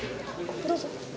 どうぞ。